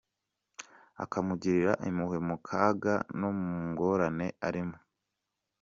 akamugirira impuhwe mu kaga no mu ngorane arimo.